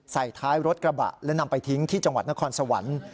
ใส่ท้ายรถกระบะและนำไปทิ้งที่จังหวัดนครสวรรค์